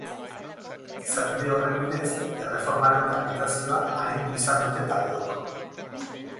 Izapide horren bidez erreformaren tramitazioa arindu izan dute taldeok.